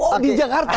oh di jakarta